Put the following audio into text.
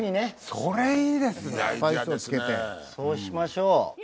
そうしましょう。